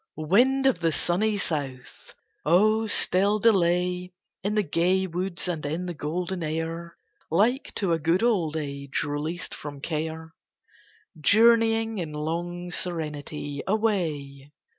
Wind of the sunny south! oh still delay In the gay woods and in the golden air, Like to a good old age released from care, Journeying, in long serenity, away.